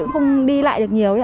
cũng không đi lại được nhiều